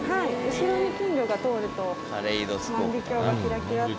後ろに金魚が通ると万華鏡がキラキラと。